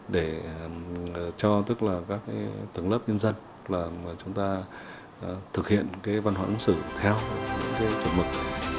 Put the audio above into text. để cho tức là các tầng lớp nhân dân là chúng ta thực hiện cái văn hóa ứng xử theo những cái chuẩn mực